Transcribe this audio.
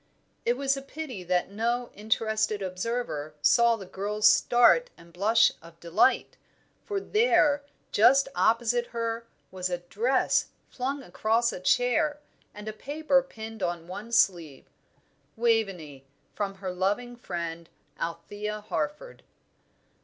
It was a pity that no interested observer saw the girl's start and blush of delight, for there, just opposite her, was a dress, flung across a chair, and a paper pinned on one sleeve. "Waveney, from her loving friend, Althea Harford."